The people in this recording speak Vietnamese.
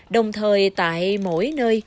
đồng thời tại mỗi nơi